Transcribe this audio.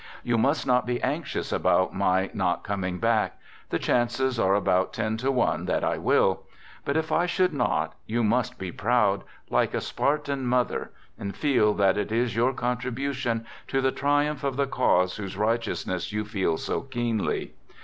You must not be anxious about my not ; coming back. The chances are about ten to one that I will. But if I should not, you must be proud, like j a Spartan mother, and feel that it is your contribu j tion to the triumph of the cause whose righteousness j you feel so keenly.